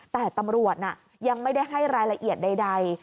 แต่ตำรวจยังไม่ได้ให้รายละเอียดใด